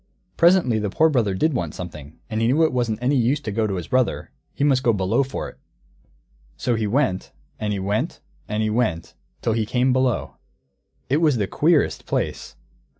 Presently the Poor Brother did want something, and he knew it wasn't any use to go to his brother; he must go Below for it. So he went, and he went, and he went, till he came Below. It was the queerest place!